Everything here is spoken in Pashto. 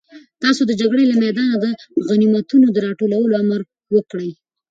تاسو د جګړې له میدانه د غنیمتونو د راټولولو امر وکړئ.